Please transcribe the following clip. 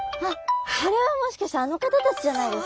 これはもしかしてあの方たちじゃないですか？